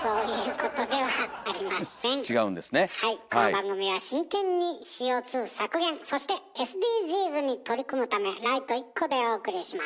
この番組は真剣にＣＯ削減そしてＳＤＧｓに取り組むためライト１個でお送りします。